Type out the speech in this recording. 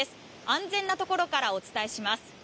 安全なところからお伝えします。